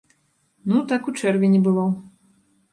Ну, так у чэрвені было.